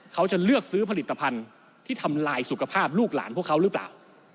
เขาจะเลือกซื้อผลิตภัณฑ์ที่ทำลายสุขภาพลูกหลานพวกเขาหรือเปล่า